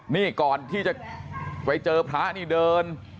นี่ก่อนที่จะไปเจอพระนี่เดิน